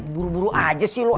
buru buru aja sih lo